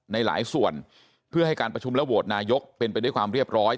ในหลายส่วนเพื่อให้การประชุมและโหวตนายกเป็นไปด้วยความเรียบร้อย